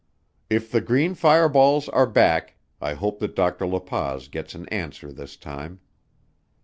If the green fireballs are back, I hope that Dr. La Paz gets an answer this time.